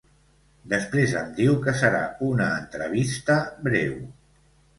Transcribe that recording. Després em diu que serà una entrevista breu.